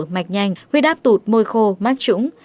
mạch nhanh huyết đáp tụt môi khô mắt trũng